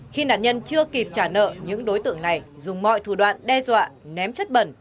khi nạn nhân chưa kịp trả nợ những đối tượng này dùng mọi thủ đoạn đe dọa ném chất bẩn